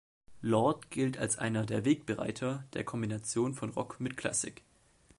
Lord gilt als einer der Wegbereiter der Kombination von Rock mit Klassik.